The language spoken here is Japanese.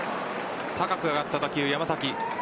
高く上がった打球、山崎。